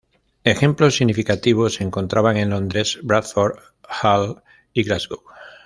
Ejemplos significativos se encontraban en Londres, Bradford, Hull y Glasgow.